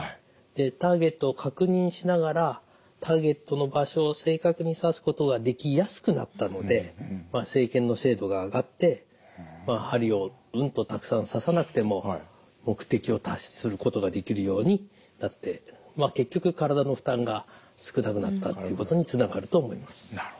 ターゲットを確認しながらターゲットの場所を正確に刺すことができやすくなったので生検の精度が上がって針をうんとたくさん刺さなくても目的を達成することができるようになって結局体の負担が少なくなったということにつながると思います。